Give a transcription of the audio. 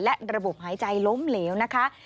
และระบบหายใจล้มเหลวนะคะ